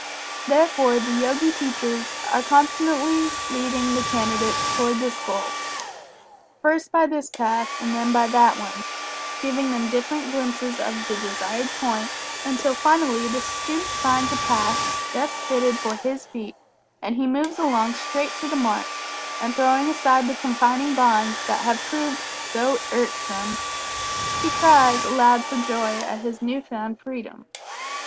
Therefore the Yogi teachers are constantly leading the Candidates toward this goal. First by this path, and then by that one, giving them different glimpses of the desired point, until finally the student finds a path best fitted for his feet, and he moves along straight to the mark, and throwing aside the confining bonds that have proved so irksome, he cries aloud for joy at his new found Freedom.